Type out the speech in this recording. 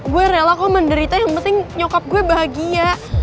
gue rela kok menderita yang penting nyokap gue bahagia